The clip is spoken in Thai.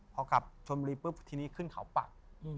พอกลับชนบุรีปุ๊บทีนี้ขึ้นเขาปัก